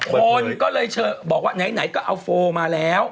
คนก็เลยบอกว่าไหนก็เอาโฟลมาแล้ว